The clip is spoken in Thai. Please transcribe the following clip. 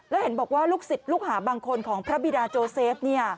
แล้วเห็นบอกว่าลูกศิษย์ลูกหาบางคนของพระบิดาโจเซฟ